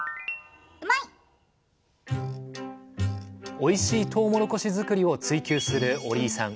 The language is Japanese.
おいしいとうもろこし作りを追求する折井さん。